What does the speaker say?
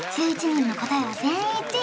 １１人の答えは全員一致！